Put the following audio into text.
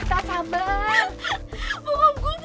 bokap gue bukan koruptor